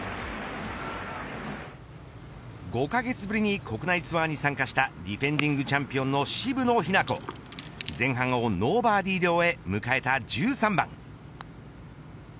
５カ月ぶりに国内ツアーに参加したディフェンディングチャンピオンの渋野日向子前半をノーバーディーで終え迎えた１３番。